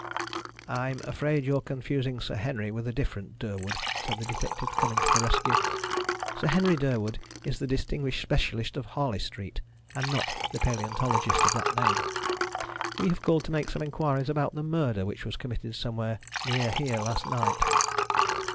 "I'm afraid you're confusing Sir Henry with a different Durwood," said the detective, coming to the rescue. "Sir Henry Durwood is the distinguished specialist of Harley Street, and not the paleontologist of that name. We have called to make some inquiries about the murder which was committed somewhere near here last night."